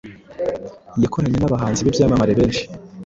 Yakoranye n’abahanzi b’ibyamamare benshi